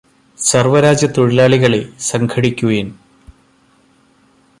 സര്വ്വരാജ്യത്തൊഴിലാളികളെ സംഘടിക്കുവിന്